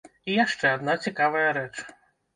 І яшчэ адна цікавая рэч.